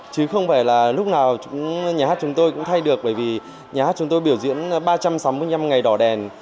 chứ không phải là lúc nào nhà hát chúng tôi cũng thay được bởi vì nhà hát chúng tôi biểu diễn ba trăm sáu mươi năm ngày đỏ đèn